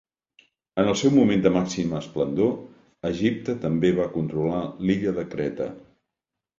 En el seu moment de màxima esplendor, Egipte també va controlar l'illa de Creta.